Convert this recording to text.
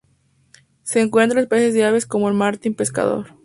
Se encuentran especies de aves como el martín pescador.